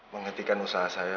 menghentikan usaha saya